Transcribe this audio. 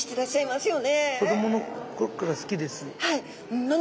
子どもの頃から好きです。